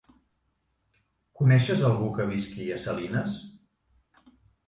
Coneixes algú que visqui a Salines?